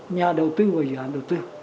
nhà đầu tư của dự án đầu tư